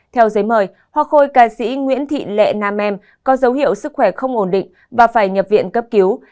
theo giấy mời hoa khôi ca sĩ nguyễn thị lệ nam em có dấu hiệu sức khỏe không ổn định và phải nhập viện cấp cứu